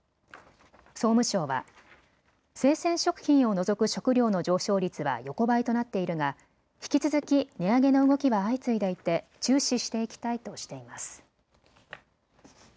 総務省は生鮮食品を除く食料の上昇率は横ばいとなっているが引き続き値上げの動きは相次いでいて注視していきたいとしています。